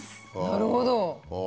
なるほど！